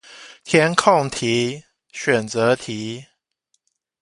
填空題，選擇題